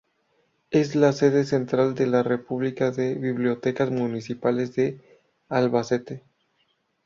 Es la sede central de la Red Pública de Bibliotecas Municipales de Albacete.